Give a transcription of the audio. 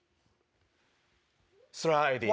スライディー。